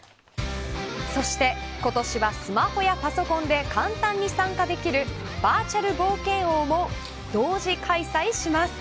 そして、今年はスマホやパソコンで簡単に参加できるバーチャル冒険王も同時開催します。